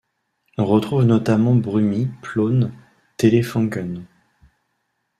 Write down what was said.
On retrouve notamment Brummie, Plone, Tele:funken.